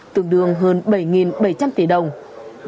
tượng đường hơn bảy năm của ngành giao thông vận tải